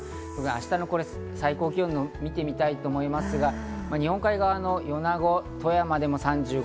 明日の最高気温を見てみたいと思いますが、日本海側の米子、富山でも３５３６度。